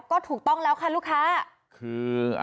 ก็ถูกต้องแล้วค่ะลูกค้าคือ